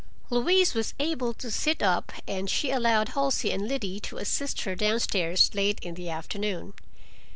Louise was able to sit up, and she allowed Halsey and Liddy to assist her down stairs late in the afternoon.